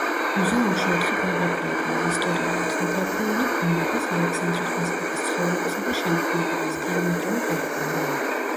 მუზეუმში ოთხი განყოფილებაა: ისტორიულ-ეთნოგრაფიული, ბუნების, ალექსანდრე ყაზბეგის ცხოვრებისა და შემოქმედების, თანამედროვე პერიოდი.